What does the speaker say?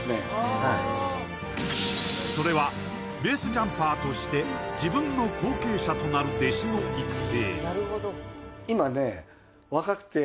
はいそれはベースジャンパーとして自分の後継者となる弟子の育成